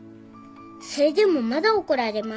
「それでもまだ怒られます」